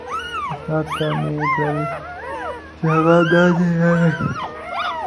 استاد ته مې کړل چې هغه دی راغی.